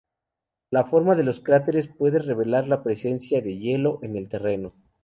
La forma de los cráteres puede revelar la presencia de hielo en el terreno.